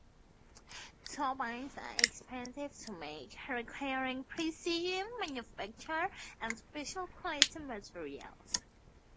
Turbines are expensive to make, requiring precision manufacture and special quality materials.